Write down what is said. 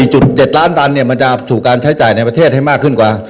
๗ล้านตันเนี่ยมันจะถูกการใช้จ่ายในประเทศให้มากขึ้นกว่า